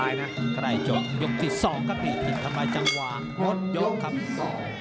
ยกที่สองก็มีถิ่นทำลายจังหวังรถยกครับ